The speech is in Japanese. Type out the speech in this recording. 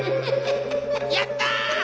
やった！